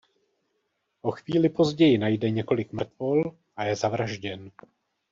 O chvíli později najde několik mrtvol a je zavražděn.